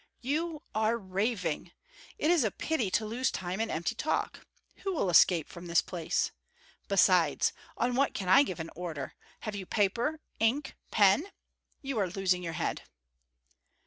"You are raving! It is a pity to lose time in empty talk! Who will escape from this place? Besides, on what can I give an order; have you paper, ink, pen? You are losing your head."